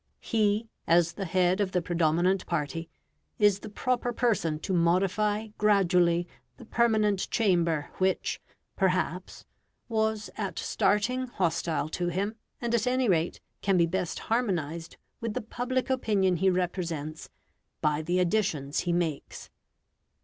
He, as the head of the predominant party, is the proper person to modify gradually the permanent chamber which, perhaps, was at starting hostile to him; and, at any rate, can be best harmonised with the public opinion he represents by the additions he makes.